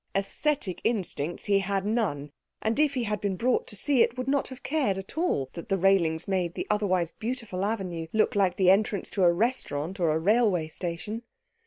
Æsthetic instincts he had none, and if he had been brought to see it, would not have cared at all that the railings made the otherwise beautiful avenue look like the entrance to a restaurant or a railway station.